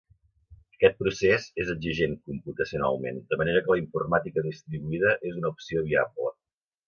Aquest procés és exigent computacionalment, de manera que la informàtica distribuïda és una opció viable.